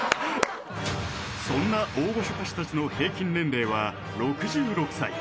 そんな大御所歌手たちの平均年齢は６６歳